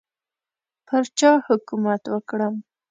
پر چا حکومت وکړم.